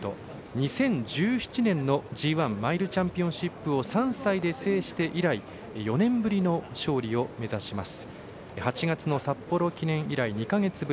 ２０１７年のＧＩマイルチャンピオンシップを３歳で制して以来４年ぶりの勝利を目指します。